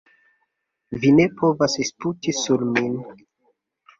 Vi ne povas sputi sur min.